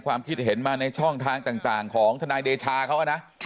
ความคิดเห็นมาในช่องทางต่างของทนายเดชาเขานะ